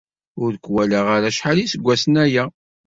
Ur k-walaɣ ara acḥal iseggasen aya.